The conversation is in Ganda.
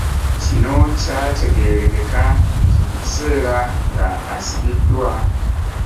Kino kyategeerekeka nti mu kiseera ng'asibiddwa,